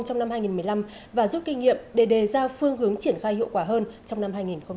trong năm hai nghìn một mươi năm và giúp kinh nghiệm đề đề ra phương hướng triển khai hiệu quả hơn trong năm hai nghìn một mươi sáu